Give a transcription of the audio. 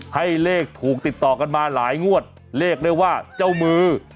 ให้เลขถูกติดต่อกันมาหลายงวดเรียกได้ว่าเจ้ามือ